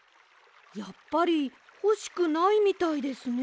やっぱりほしくないみたいですね。